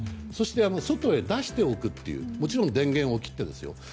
そして外に出しておくというもちろん電源を切ってですよ。